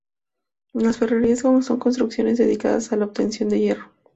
Las ferrerías son construcciones dedicadas a la obtención del hierro.